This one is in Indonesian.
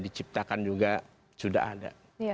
diciptakan juga sudah ada